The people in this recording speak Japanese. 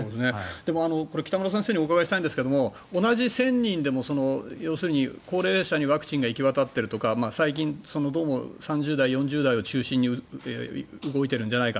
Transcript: でも、これ北村先生にお伺いしたいんですけども同じ１０００人でも高齢者にワクチンが行き渡っているとか最近どうも３０代、４０代を中心に動いてるんじゃないか。